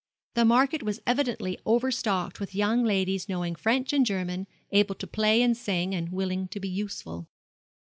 The market was evidently overstocked with young ladies knowing French and German, able to play and sing, and willing to be useful.